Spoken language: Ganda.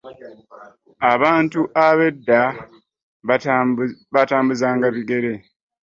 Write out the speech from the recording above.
Abantu b'edda baatambuzanga bigere.